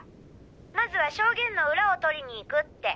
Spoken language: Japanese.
まずは証言の裏を取りに行くって。